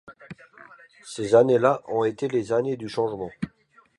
Ces années-là ont été les années du changement.